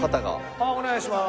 ああお願いします。